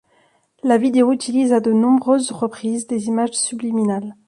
La vidéo utilise à de nombreuses reprises des images subliminales.